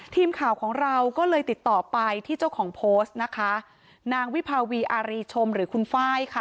ทีมข่าวของเราก็เลยติดต่อไปที่เจ้าของโพสต์นะคะนางวิภาวีอารีชมหรือคุณไฟล์ค่ะ